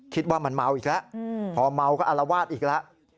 คิดว่ามันเมาอีกแล้วพอเมาก็อารวาสอีกแล้ว